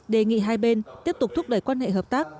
đề nghị hai bên tiếp tục thúc đẩy quan hệ hợp tác